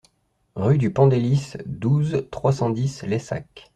Rue du Pendelys, douze, trois cent dix Laissac